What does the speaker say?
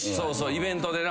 イベントでな。